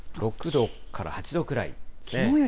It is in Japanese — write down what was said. ６度から８度くらいですね。